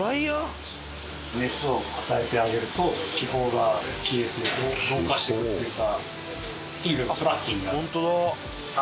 熱を与えてあげると気泡が消えて同化していくっていうか。